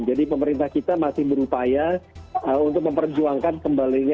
jadi pemerintah kita masih berupaya untuk memperjuangkan kembaliannya